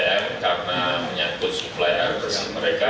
air tanah dari pdm karena menyambut supply air bersih mereka